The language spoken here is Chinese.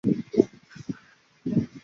谭家有几百亩田地和一家米店。